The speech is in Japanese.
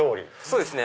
そうですね。